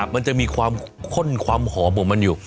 มันจะมีความข้นความหอมของมันอยู่